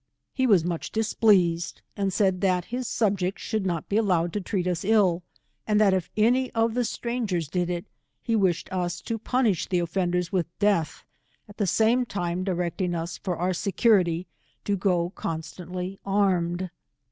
He was much displeased, and said that his subjects should not be allowed to treat us ill, and that if any of the strangers did it, he wished us to punish the offenders with death, at the same time directing ns, for our security, to go constantly armed.